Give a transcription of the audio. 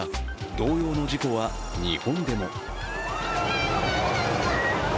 同様の事故は日本でも。